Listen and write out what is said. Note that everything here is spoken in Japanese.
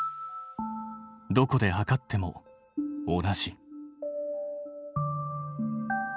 どこで測っても同じ。